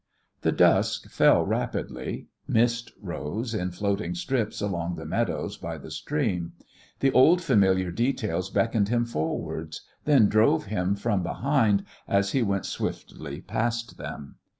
The dusk fell rapidly, mist rose in floating strips along the meadows by the stream; the old, familiar details beckoned him forwards, then drove him from behind as he went swiftly past them.